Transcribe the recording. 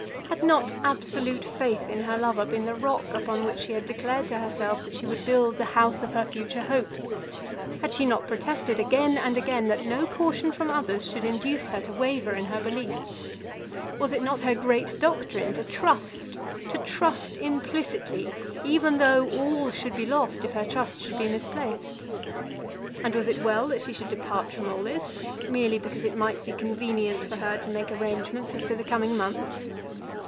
Had not absolute faith in her lover been the rock on which she had declared to herself that she would build the house of her future hopes? Had not she protested again and again that no caution from others should induce her to waver in her belief? Was it not her great doctrine to trust, to trust implicitly, even though all should be lost if her trust should be misplaced? And was it well that she should depart from all this, merely because it might be convenient for her to make arrangements as to the coming months?